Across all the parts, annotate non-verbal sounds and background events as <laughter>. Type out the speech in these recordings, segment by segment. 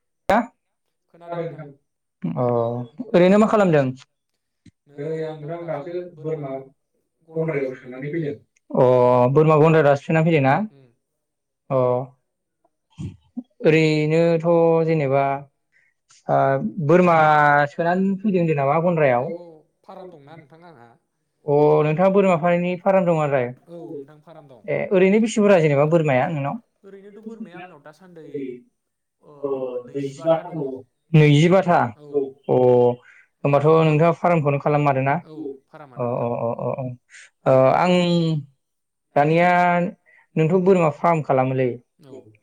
ओ नोंथां अ ओरैनो मा खालामदों ओरैनो नोंथां दासो बोरमा गन्द्रायाव सोनानै फैदों। अ बोरमा गन्द्रायाव दासो सोनानै फैदों ना? अ ओरैनोथ जेनेबा ओ बोरमा सोनानै फैदों होनदों नामा गन्द्रायाव? अ नोंथाङा बोरमानि फार्म दं आरो ए ओरैनो बेसे बुरजा जेनेबा बोरमाया नोंनाव नैजिबाथा अ होनमबाथ नोंथाङा फारामखौनो खालाम खादोंना? अ अ अ अ अ ओ आं दानिया नोंथ बोरमा फार्म खालामोलै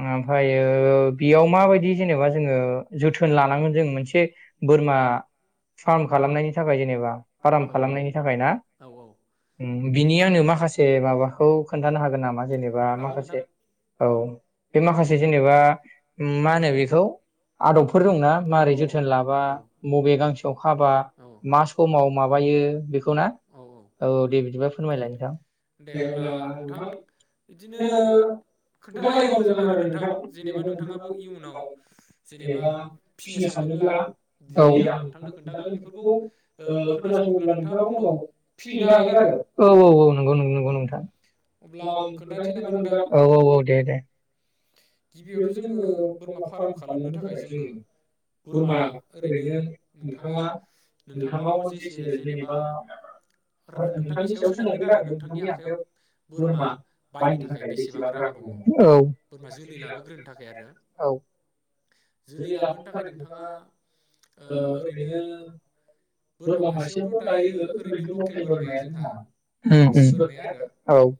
ओमफ्रायो बेयाव माबायदि जेनेबा जोङो जोथोन लानांगोन जों मोनसे बोरमा फार्म खालामनायनि थाखाय। जेनेबा फार्म खालामनायनि औ औ बिनि आंनो माखासे माबाखौ खोन्थानो हागोन नामा जेनेबा माखासे औ बे माखासे जेनेबा मा होनो बेखौ आदबफोर दंना मारै जोथोन लाबा बबे गांसेयाव खाबा मा समाव माबायो बेखौ <unintelligible> औ दे बिदिबा फोरमायलाय नोंथां दे अब्ला नोंथां उनाव फिहैनो हागोन आरो औ औ औ नंगौ नंगौ नंगौ नोंथां अब्ला आं नामा खोन्थानोसै नोंथां औ औ औ दे दे गिबियावथ जोङो बोरमा फार्म खालामनो थाखाय जोङो बोरमा ओरैनो नोंथाङा नोंथाङावेसे जेनेबा ओ ओ नोंथांनि सायाव सोनै नोंथांनि आखायाव बोरमा बायनो थाखाय बेसेबां रां दङ'। औ बोरमा जोलै लाबोग्रोनो थाखाय दायो ओरैनो लकेल बोरमाया जोंहा फान्थि बोरमाया आरो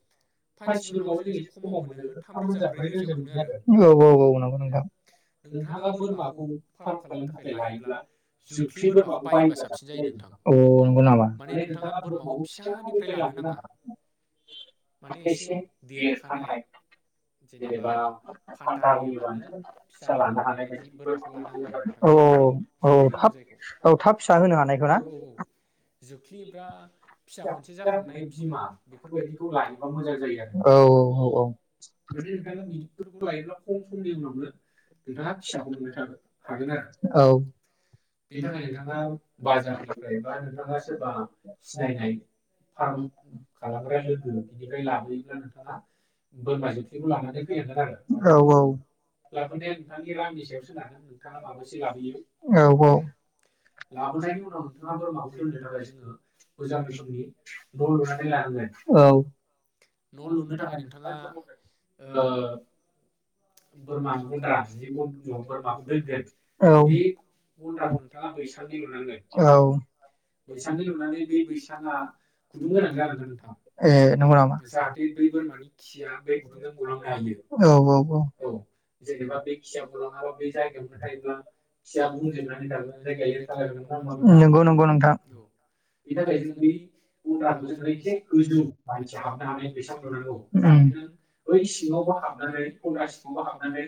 फान्थि बोरमाखौ जोंहा एसे खमाव मोनो थाम रोजा ओमफाय <unintelligible> मोन आरो नोंथाङा बोरमाखौ फार्म खालामनो थाखाय लायोब्ला जोख्लि बोरमाखौ बायब्ला साबसिन जायो नोंथां माने नोंथाङा बोरमाखौ फिसानिफ्राय लानो नाङा माने इसे देरखानाय जेनेबा फान्था होयोबानो फिसा लानो हानाय बायदि बोरमाखौ लानांगौ आरो नोंथां जोख्लि जोख्लि होनो जायखौ औ औ औ। जोख्लिबा फिसा खनसे जाखांनाय बिमा बेफोरबायदिखौ लायोबा मोजां जायो आरो नोंथां। माने नोथांङा लायोबा खम समनि उनावनो नोंथाङा फिसाखौ मोनबाय थागोन आरो बेनि थाखाय नोंथाङा बाजार लायोबा नोंथाङा सोरबा सिनायनाय फार्म खालामग्रा लोगो बेनिफ्राय लाबोयोब्ला नोंथाङा बोरम ज खौ लानानै फैनांगोन आरो नोंथांनि रांनि सायाव सोनारगोन नोंथाङा माबोसे लाबोयो लाबोनायनि उनाव नोंथाङा बोरमाखौ दोननो मोजां रोखोमनि न' लुनानै लानांगोन न' लुनो थाखाय औ औ बैसांनि लुनानै बे बैसांया गुदु जानांगोन नोंथां जाहाथे बे बोरमानि खिया औ औ नंगौ नंगौ नोंथां ओ बेनि थाखाय जोङो बै गन्द्राखौ जोङो एसे गोजौ मानसि हाबनो हानाय बैसां लुनांगौ जाहाथे नों बै सिङावबो हाबनानै गन्द्रा सिङावबो हाबनानै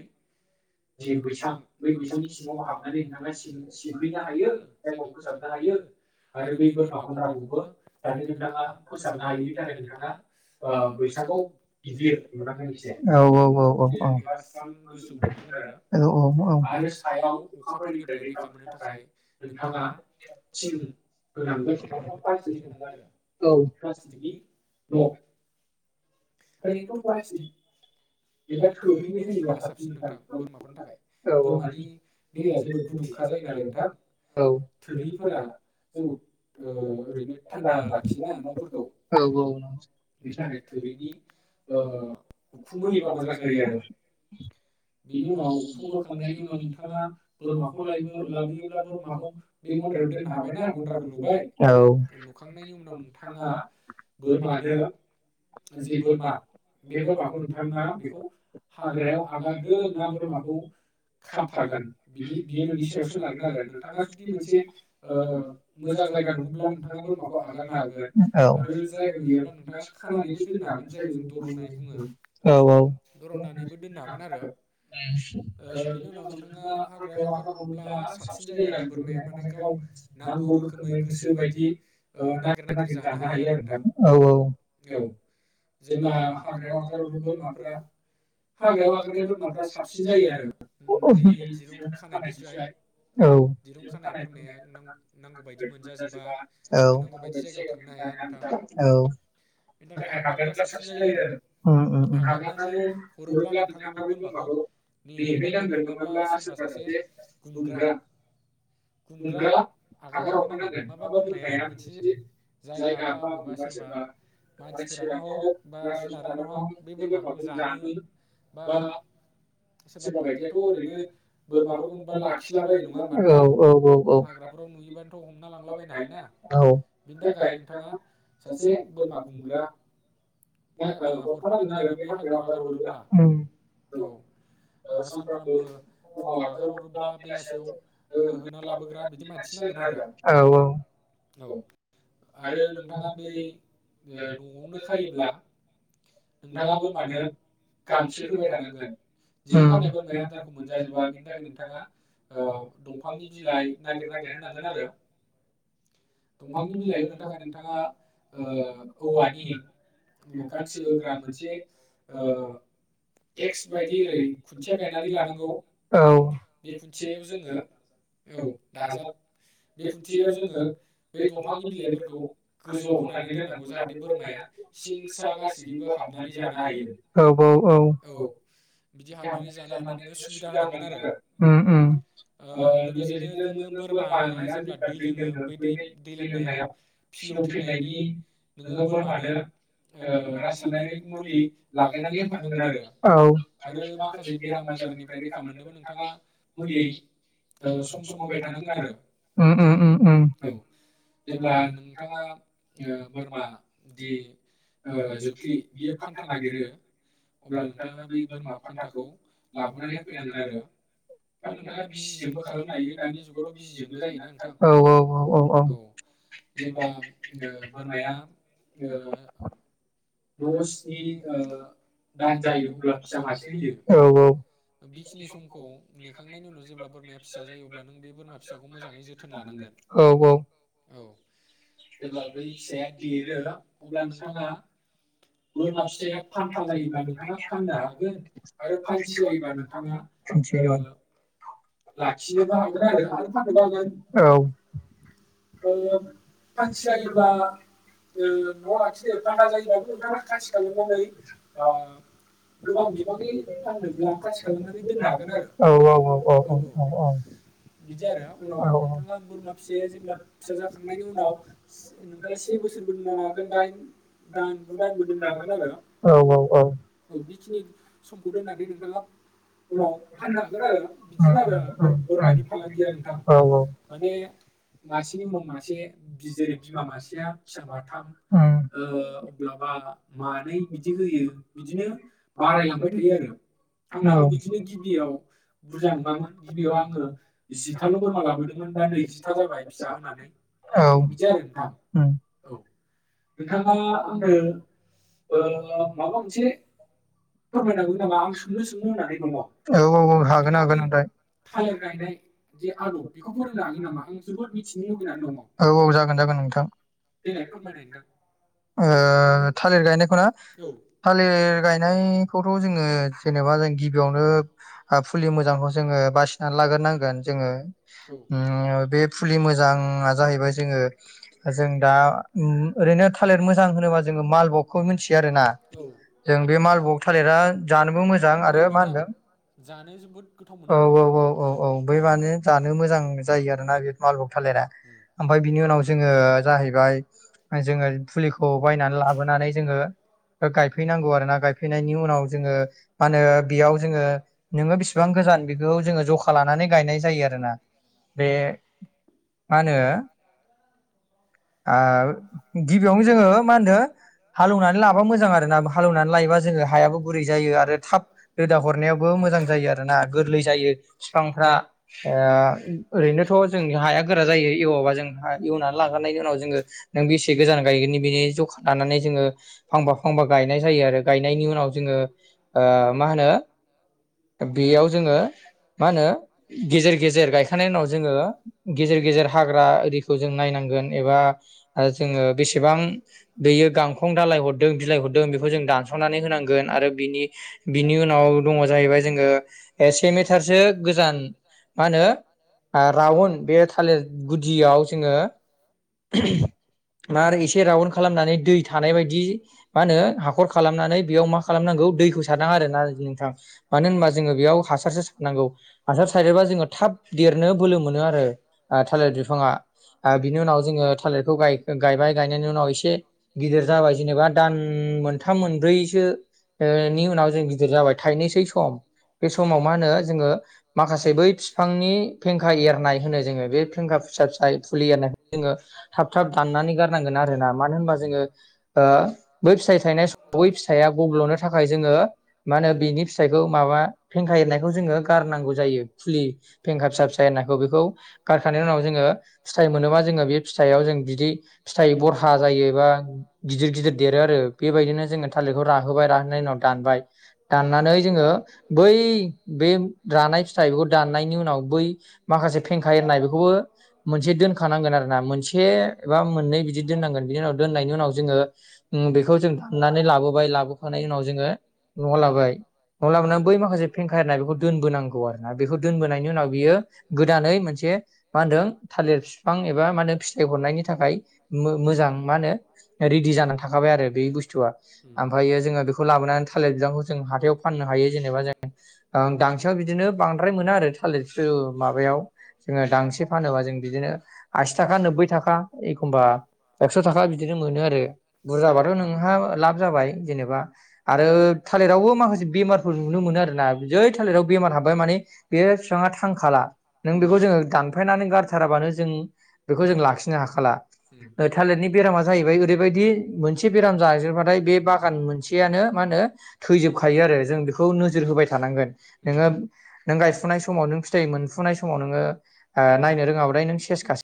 जि बैसां बै बैसांनि सिङावबो हाबनानै नोंथाङा सिब-सिबहैनो हायो जायगाखौ फोसाबनो हायो। आरो बै बोरमा गन्द्राखौबो जाहाथे नोंथाङा फोसाबनो हायो बिनि थाखाय नोंथाङा बैसांखौ गिदिर औ औ औ औ औ औ <unintelligible> प्लास्टिक एबा थोरिनि होयोब्ला साबसिन नोंथां बोरमाफोरनि थाखाय बोरमानि देहाया जोबोद गुदुंखा जायो नालाय नोंथां थोरि फोरा जोंखौ ओरैनो थान्दा लाखियो ना न'फोरखौ बेनि थाखाय थोरिनि ओ उखुम होयोबा मोजां जायो आरो बेनि उनाव उखुमोखांनायनि उनाव नोंथाङा बोरमाखौ लाब- लाबोयोब्ला बोरमाखौ बेखौ दोननो हाबायना गबद्राबो लुबाय नोंथांआ बोरमानो जि बोरमा बे बोरमाखौ नोंथाङा बेखौ हाग्रायाव आगारगोन ना बोरमाखौ खाबथागोन बिनि बियो नोंनि सायाव सोनारगोन आरो नोंथाङा जुदि मोनसे औ औ औ ओम औ औ औ औ औ औ ओम ओम गुमग्रा आगार हरखानांगोन नङाबा बोरमाया मोनसे जायगा बा हगारसारबा मानसिफ्राथ' औ औ औ हाग्राफोराव नुयोबानोथ' हमना लांलाबायनो हायोना बिनि थाखाय नोंथाङा सासे बोरमा गुमग्रा औ औ औ नोंथाङा बोरमानो गांसो होबाय थानांगोन दिरुं खानाय बोरमाया आदारखौ मोनजाजोबा बिनि थाखाय नोंथाङा ओ दंफांनि बिलाइ नागिर नागिर होनांगोन आरो दंफांनि बिलाइ होनो थाखाय ओ नोंथाङा औवानि <unintelligible> औ सिं सा गासै औ औ औ ओम ओम ओ राज औ ओम ओम ओम ओम ओ जोब औ औ औ औ औ दसनि ओ दान जायो अब्ला फिसा मासे होयो बिखिनि समखौ नेखांनायनि उनाव जेब्ला बोरमाया फिसा जायो अब्ला नों बे बोरमा फिसाखौ मोजाङै जोथोन लानांगोन औ जेब्ला बै फिसाया देरो अब्ला नों आदसा औ फान्थि जायोबा ओ न'आव लाखिदो औ औ औ औ औ। एसे <unintelligible> औ औ औ औ औ माने मासेनि उनाव मासे ओम। ओ अब्लाबा मानै बिदि होयो बिदिनो बारायलांबाय थायो आरो आंनाबो बिदिनो गिबियाव बुरजा नङामोन गिबियाव आङो जिथाल' बोरमा लाबोदोंमोन दा नैजिथा जाबाय फिसा होनानै। औ ओम। औ औ औ हागोन हागोन हागोन। औ औ जागोन जागोन नोंथां। ओ थालिर <unintelligible> फोरा थालिर गायनायखौथ' जोङो जेनेबा जों गिबि यावनो फुलि मोजांखौ जोङो बासिनानै लाग्रोनांगोन जोङो बे फुलि मोजांआ जाहैबाय जोङो जों दा ओरैनो थालिर मोजां होनोबा जोङो मालभगखौ मिथियो आरोना जों बे मालभग थालिरा जानोबो मोजां आरो मा होनदों औ औ औ औ औ बै माने जानो मोजां जायो आरोना बे मालभग थालिरा। ओमफ्राय बिनि उनाव जोङो जाहैबाय जोङो फुलिखौ बायनानै लाबोनानै जोङो गायफैनांगौ आरो ना गायफैनायनि उनाव जोङो मा होनो बेयाव जोङो नोङो बेसेबां गोजान बेखौ जोङो जखा लानानै गायनाय जायो आरोना बे मा होनो ओ गिबियावनो जोङो मा होनो हालौनानै लाबा मोजां आरोना हालौवनानै लायोबा जोङो हायाबो गुरै जायो आरो थाब रोदा हरनायावबो मोजां जायो आरो ना गोरलै जायो बिफांफ्रा ओरैनोथ' जोंनि हाया गोरा जायो एवाबा जों एवनानै लागोर जोङो नों बेसे गोजान गायगोननि बेनि जखा दानानै जोङो फांफा फांफा गायनाय जायो आरो गायनायनि उनाव जोङो मा होनो बेयाव जोङो मा होनो गेजेर गेजेर गायखां नायनायनि उनाव जोङो गेजेर गेजेर हाग्रा आरिखौ जों नायनांगोन एबा आरो जोङो बेसेबां बेयो गांखं दालाय हरदों बिलाइ हरदों बेखौ जों दानस'नानै होनांगोन आरो बिनि बिनि उनाव दङ जाहैबाय जोङो से मिटारसो गोजान मा होनो राउन्ड बे थालिर गुदियाव जोङो आरो एसे राउन्ड खालामनानै दै थानाय बायदि मा होनो हाखर खालामनानै बेयाव मा खालामनांगौ दैखौ सारनाङा आरोना नोंथां मानो होनबा जोङो बेयाव हासारखौ सारनांगौ हासार सारोबा जोङो थाब देरनो बोलो मोनो आरो ओ थालिर बिफाङा दा बिनि उनाव जोङो थालिरखौ गाय-गायबाय गायनायनि उनाव एसे गिदिर जाबाय जेनेबा दान मोनथाम मोनब्रैसोनि उनाव जों गिदिर जाबाय थाइनोसै सम बे समाव मा होनो जोङो माखासे बै बिफांनि फेंखा एरनाय होनो जोङो बे फेंखा फिसा फिसा फुलि एरनाय जोङो थाब थाब दाननानै गारनांगोन आरोना मानो होनबा जोङो ओ बै फिथाइ थायनाय स बै फिथाइया गब्ल'नो थाखाय जोङो मा होनो बिनि फिथाइखौ माबा फेंखा एरनायखौ जोङो गारनांगौ जायो फुलि फेंखा फिसा फिसा एरनायखौ बेखौ गारखानायनायनि उनाव जोङो फिथाइ मोनोबा फिथाइयाव जों बिदि फिथाइ बरहा जायो बा गिदिर गिदिर देरो आरो बेबायदिनो जोङो थालिरखौ राहोबाय राहोनायनि उनाव दानबाय दाननानै जोङो बै बे रानाय फिथाइखौ दाननायनि उनाव बै माखासे फेंखा एरनाय बेखौबो मोनसे दोनखानांगोन आरो। <unintelligible> से एबा मोननै बिदि दोननांगोन बेनि उनाव दोननायनि उनाव जोङो उम बेखौ जों दाननानै लाबोबाय लाबोफानायनि उनाव जोङो न'आव लाबोबाय न'आव लाबोना बै माखासे फेंखा एरनाय बेखौ दोनबोनांगौ आरोना बेखौ दोनबोनायनि उनाव बेयो गोदानै मोनसे मा होनदों थालिर फिफां एब फिथाइ हरनायनि थाखाय मो-मोजां मा होनो रिडि जानानै थाखाबाय आरो बै बुस्थुआ आमफ्रायो जोङो बेखौ लाबोनानै थालिर बिदांखौ जों हाथायाव फाननो हायो जेनेबा जों ओ दांसेयाव बिदिनो बांद्राय मोना आरो थालिर <unintelligible> माबायाव जोङो दांसे फानोबा जों बिदिनो। आसि थाखा <unintelligible> <unintelligible> एखमबा एकस थाखा बिदिनो मोनो आरो बुरजाबाथ नोंहा लाब जाबाय जेनेबा आरो थालिरावबो माखासे बेमारफोर नुनो मोनो आरोना जै थालिराव बेमार हाबबाय माने बे बिफाङा थांखाला नों बेखौ जोङो दानफायनानै गारथाराबानो जों बेखौ जों नो हाखाला ओ थालेरनि बेरामा जायैबाय ओरैबायदि मोनसे बेराम जाजोबबाथाय बे बागान मोनसेयानो मा होनो थैजोबखायो आरो जों बेखौ नोजोर होबाय थानांगोन नोङो नों गायफुनाय समाव नों फिथाइ मोनफुनाय समाव नोङो आ नायनो रोङाबाथाय नों सेस खासै